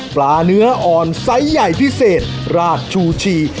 เนื้ออ่อนไซส์ใหญ่พิเศษรากชูชี